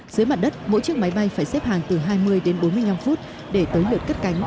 dưới mặt đất mỗi chiếc máy bay phải xếp hàng từ hai mươi đến bốn mươi năm phút để tới lượt cất cánh